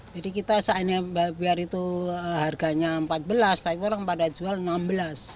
jadi kita saatnya biar itu harganya rp empat belas tapi orang pada jual rp enam belas